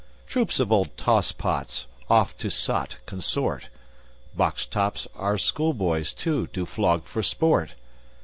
Troops of old tosspots oft to sot consort. Box tops our schoolboys, too, do flog for sport.